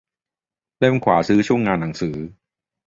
เล่มขวาซื้อช่วงงานหนังสือ